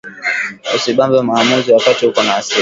Usi bambe mahamuzi wakati uko na asira